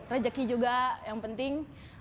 rejeki juga yang penting